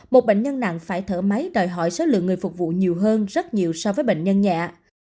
một bệnh nhân nặng phải thở máy đòi hỏi số lượng người phục vụ nhiều hơn rất nhiều so với bệnh nhân nhẹ